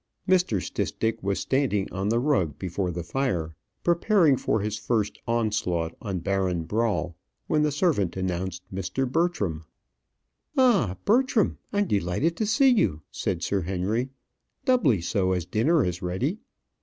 Mr. Stistick was standing on the rug before the fire, preparing for his first onslaught on Baron Brawl, when the servant announced Mr. Bertram. "Ah! Bertram, I'm delighted to see you," said Sir Henry; "doubly so, as dinner is ready.